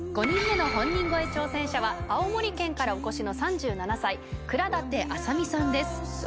５人目の本人超え挑戦者は青森県からお越しの３７歳倉舘麻美さんです。